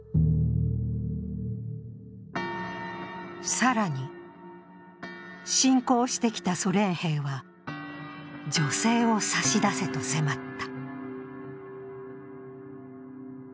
更に、侵攻してきたソ連兵は女性を差し出せと迫った。